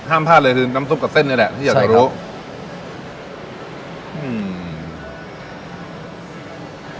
ห้ามพลาดเลยคือน้ำซุปกับเส้นเนี้ยแหละที่อยากจะรู้อืม